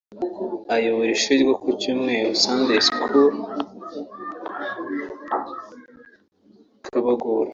ayobora ishuri ryo ku cyumweru (Sunday school) i Kibogora